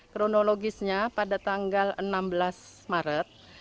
kronologisnya pada tanggal enam belas maret